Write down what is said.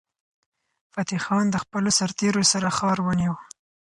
فتح خان د خپلو سرتیرو سره ښار ونیو.